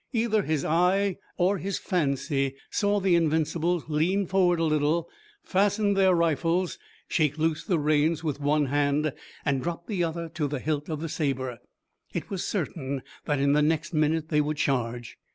Either his eye or his fancy saw the Invincibles lean forward a little, fasten their rifles, shake loose the reins with one hand, and drop the other hand to the hilt of the saber. It was certain that in the next minute they would charge.